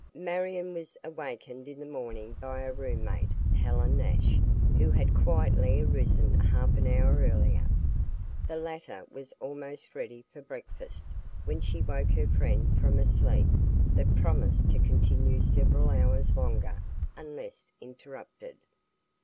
Marion was awakened in the morning by her roommate, Helen Nash, who had quietly arisen half an hour earlier. The latter was almost ready for breakfast when she woke her friend from a sleep that promised to continue several hours longer unless interrupted.